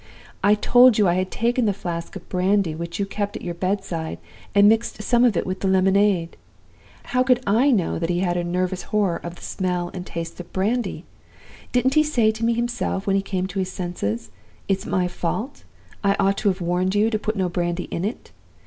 'I told you I had taken the flask of brandy which you kept at your bedside, and mixed some of it with the lemonade. How could I know that he had a nervous horror of the smell and taste of brandy? Didn't he say to me himself, when he came to his senses, It's my fault; I ought to have warned you to put no brandy in it?